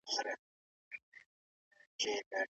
حق لکه لمر داسي هر ځای روښانه کوی.